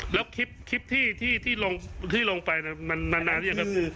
แล้วคลิปที่ลงไปมันนานหรือยังครับ